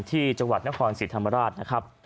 ที่จังหวัดนครศรีธรรมราชนะครับ